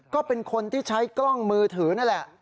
ก็เป็นคนที่ใช้กล้องมือถือนั่นแหละ